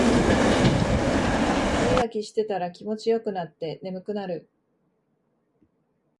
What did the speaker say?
ハミガキしてたら気持ちよくなって眠くなる